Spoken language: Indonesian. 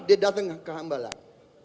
dia dateng ke hambalah